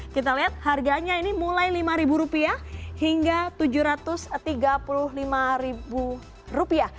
kita lihat harganya ini mulai rp lima hingga rp tujuh ratus tiga puluh lima